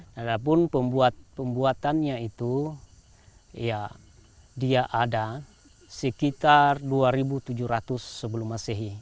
namun pembuatannya itu ya dia ada sekitar dua ribu tujuh ratus sebelum masehi